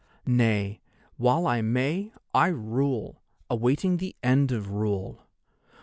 Nay, while I may, I rule, awaiting the end of rule.